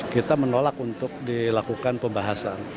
kita menolak untuk dilakukan pembahasan